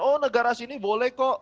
oh negara sini boleh kok